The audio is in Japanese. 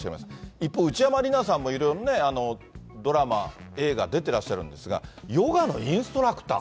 一方、内山理名さんも、いろいろね、ドラマ、映画、出てらっしゃるんですが、ヨガのインストラクター？